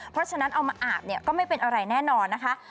เพราะฉะนั้นเอามาอาบเนี่ยก็ไม่เป็นอะไรแน่นอนนะคะ